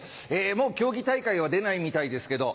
もう競技大会は出ないみたいですけど。